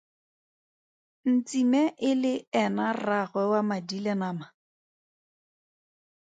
Ntsime e le ena rraagwe wa madi le nama?